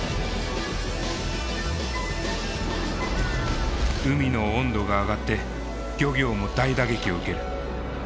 海の温度が上がって漁業も大打撃を受ける。